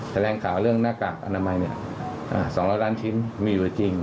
แถลงข่าวเรื่องหน้ากากอนามัย๒๐๐ล้านชิ้นมีอยู่จริง